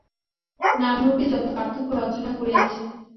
নাম-রূপই যত পার্থক্য রচনা করিয়াছে।